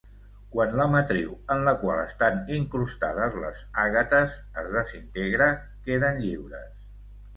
Quan la matriu en la qual estan incrustades les àgates es desintegra, queden lliures.